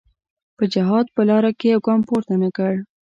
په جهاد په لاره کې یو ګام پورته نه کړ.